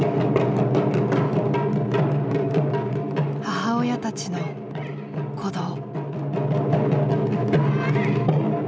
母親たちの鼓動。